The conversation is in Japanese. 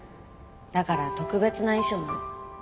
だから特別な衣装なの。